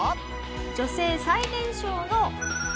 女性最年少の。